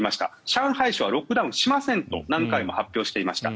上海市はロックダウンしませんと何回も発表していました。